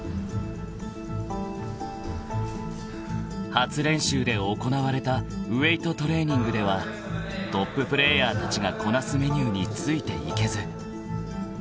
［初練習で行われたウエートトレーニングではトッププレーヤーたちがこなすメニューについていけず］